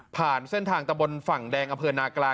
ผ่านเส้นทางตะบลฝั่งแดงอเภิญนากรา